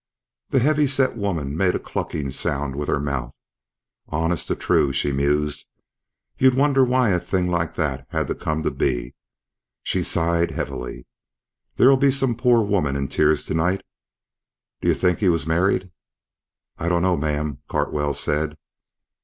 The heavy set woman made a clucking sound with her mouth. "Honest to true," she mused. "You'd wonder why a thing like that had to come to be." She sighed heavily. "There'll be some poor woman in tears tonight. D'you think he was married?" "I don't know, ma'am," Cartwell said.